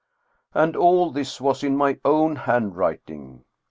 And all this was in my own handwriting.